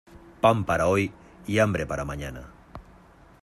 Pan para hoy y hambre para mañana.